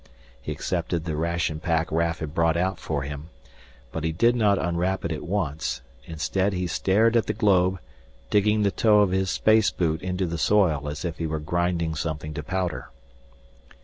He accepted the ration pack Raf had brought out for him. But he did not unwrap it at once; instead he stared at the globe, digging the toe of his space boot into the soil as if he were grinding something to powder.